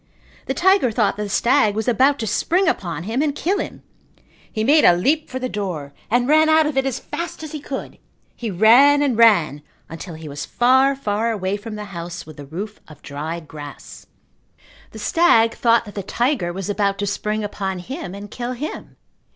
The tiger thought that the stag was about to spring upon him and kill him. He made a leap for the door and ran out of it as fast as he could. He ran and ran until he was far, far away from the house with the roof of dried grass. The stag thought that the tiger was about to spring upon him and kill him.